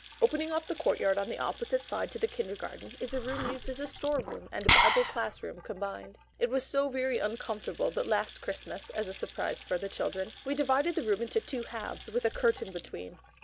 Opening off the courtyard on the opposite side to the kindergarten is a room used as a store room and Bible class room combined. It was so very uncomfortable that last Christmas, as a surprise for the children, we divided the room into two halves with a curtain between.